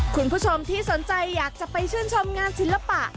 คุณผู้ชมที่สนใจอยากจะไปชื่นชมงานศิลปะ